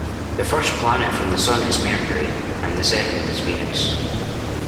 The first planet from the sun is Mercury, and the second is Venus